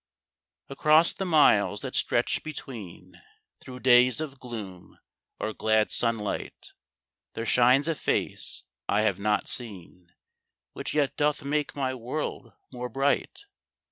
Across the miles that stretch between, Through days of gloom or glad sunlight, There shines a face I have not seen Which yet doth make my world more bright.